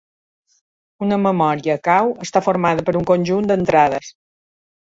Una memòria cau està formada per un conjunt d'entrades.